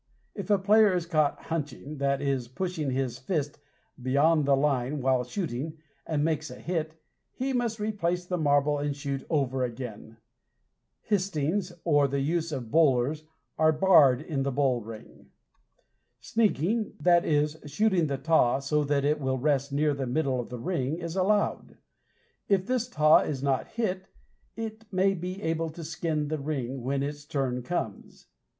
If a player is caught "hunching," that is, pushing his fist beyond the line while shooting, and makes a hit, he must replace the marble and shoot over again. "Histings" and the use of "bowlers" are barred in the bull ring. "Sneaking," that is, shooting the taw so that it will rest near the middle of the ring, is allowed. If this taw is not hit, it may be able to skin the ring when its turn comes.